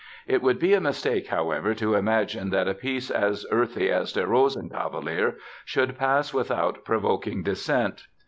It would be a mistake, however, to imagine that a piece as earthy as Der Rosenkavalier should pass without provoking dissent.